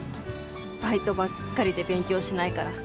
バイトばっかりで勉強しないから。